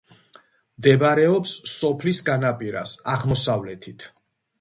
მდებარეობს სოფლის განაპირას, აღმოსავლეთით.